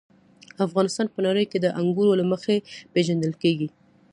افغانستان په نړۍ کې د انګورو له مخې پېژندل کېږي.